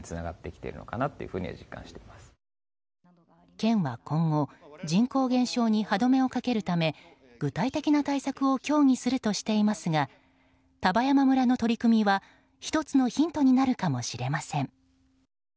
県は今後人口減少に歯止めをかけるため具体的な対策を協議するとしていますが丹波山村の取り組みは、１つのヒントになるかもしれません。